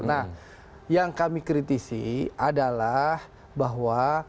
nah yang kami kritisi adalah bahwa